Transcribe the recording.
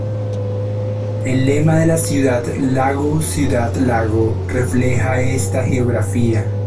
El lema de la ciudad "Lago, ciudad, lago" refleja esta geografía.